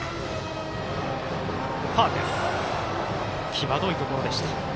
ファウル、際どいところでした。